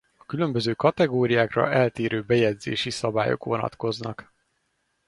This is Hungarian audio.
A különböző kategóriákra eltérő bejegyzési szabályok vonatkoznak.